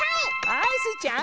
はいスイちゃん。